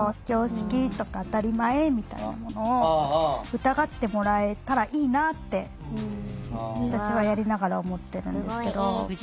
常識とか当たり前みたいなものを疑ってもらえたらいいなって私はやりながら思ってるんですけど。